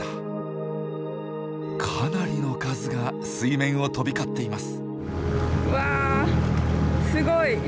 かなりの数が水面を飛び交っています。